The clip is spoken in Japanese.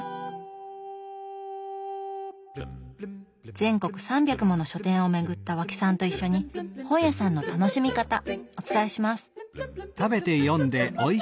全国３００もの書店を巡った和氣さんと一緒に本屋さんの楽しみ方お伝えします！